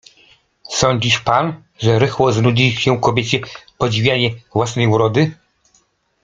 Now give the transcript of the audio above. Sądzisz pan, że rychło znudzi się kobiecie podziwianie własnej urody?